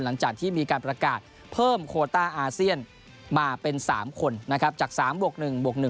หลังจากที่มีการประกาศเพิ่มโคต้าอาเซียนมาเป็นสามคนนะครับจากสามบวกหนึ่งบวกหนึ่ง